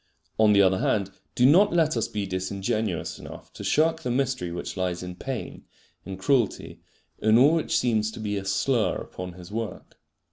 On the other hand, do not let us be disingenuous enough to shirk the mystery which lies in pain, in cruelty, in all which seems to be a slur upon His work.